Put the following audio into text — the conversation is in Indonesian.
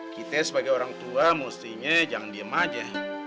kita sebagai orang tua mustinya jangan diem aja